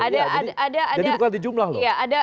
jadi bukan di jumlah loh